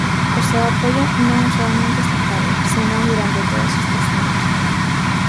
O seu apoio non soamente esta tarde, senón durante todos estes anos.